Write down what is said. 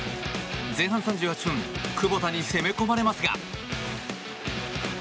前半３８分クボタに攻め込まれますが。